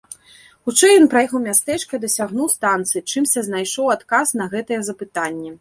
Хутчэй ён праехаў мястэчка і дасягнуў станцыі, чымся знайшоў адказ на гэтае запытанне.